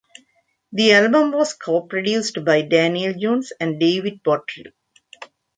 The album was co-produced by Daniel Johns and David Bottrill.